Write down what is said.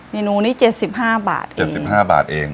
เมนูนี้๗๕บาทเอง